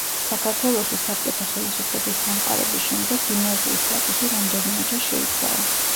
საქართველოში საბჭოთა ხელისუფლების დამყარების შემდეგ გიმნაზიის სტატუსი რამდენიმეჯერ შეიცვალა.